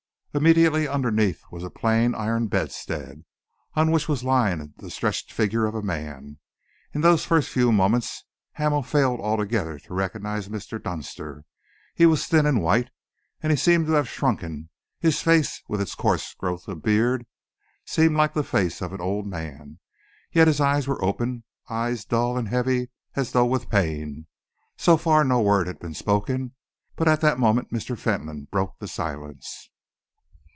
Immediately underneath was a plain iron bedstead, on which was lying stretched the figure of a man. In those first few moments Hamel failed altogether to recognise Mr. Dunster. He was thin and white, and he seemed to have shrunken; his face, with its coarse growth of beard, seemed like the face of an old man. Yet the eyes were open, eyes dull and heavy as though with pain. So far no word had been spoken, but at that moment Mr. Fentolin broke the silence.